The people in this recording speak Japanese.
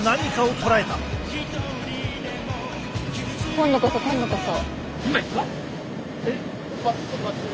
今度こそ今度こそ。